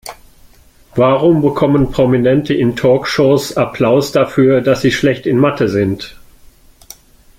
Warum bekommen Prominente in Talkshows Applaus dafür, dass sie schlecht in Mathe sind?